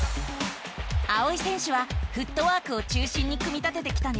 あおい選手はフットワークを中心に組み立ててきたね。